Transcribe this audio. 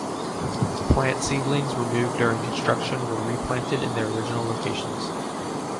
Plant seedlings removed during construction were re-planted in their original locations.